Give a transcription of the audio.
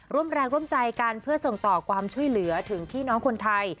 ร่วมแรงร่วมใจกันเพื่อส่งต่อความช่วยเหลือถึงพี่น้องคนไทย